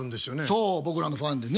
そう僕らのファンでね。